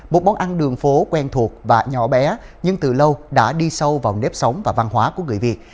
một món ăn đường phố quen thuộc và nhỏ bé nhưng từ lâu đã đi sâu vào nếp sống và văn hóa của người việt